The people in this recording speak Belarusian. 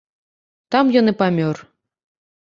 Там ён і памёр.